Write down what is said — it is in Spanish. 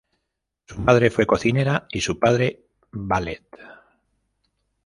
Su madre fue cocinera y su padre valet.